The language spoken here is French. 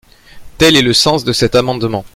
Tel est le sens de cet amendement.